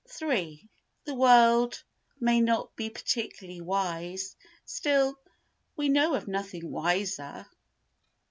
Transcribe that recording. iii The world may not be particularly wise—still, we know of nothing wiser.